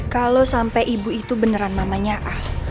kalau sampai ibu itu beneran mamanya ah